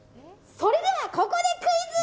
それではここでクイズ。